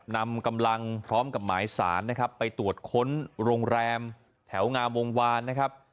นำกำลังพร้อมกับหมายสารนะครับไปตรวจค้นโรงแรมแถวงามวงวานนะครับ